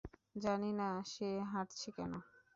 জানি না সে হাঁটছে কেন?